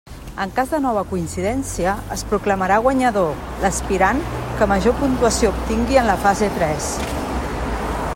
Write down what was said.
En cas de nova coincidència, es proclamarà guanyador l'aspirant que major puntuació obtingui en la fase tres.